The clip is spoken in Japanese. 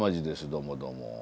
どうもどうも。